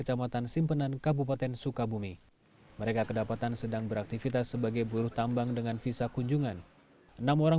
jawa barat dua puluh empat jam